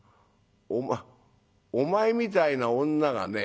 お前みたいな女がね